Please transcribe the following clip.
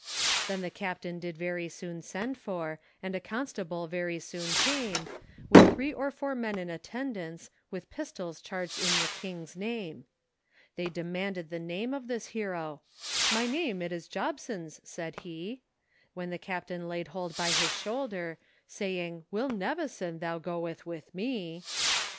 Then the captain did very soon send for, And a constable very soon came; With three or four men in attendance, With pistols charged in the King's name. They demanded the name of this hero, "My name it is Jobsons," said he, When the captain laid hold by his shoulder, Saying, "WILL NEVISON thou goeth with me."